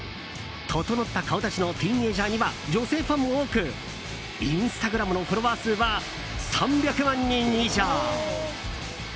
整った顔立ちのティーンエイジャーには女性ファンも多くインスタグラムのフォロワー数は３００万人以上。